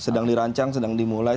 sedang dirancang sedang dimulai